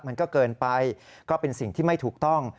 มันก็เกินไปก็เป็นสิ่งที่ไม่ถูกต้อง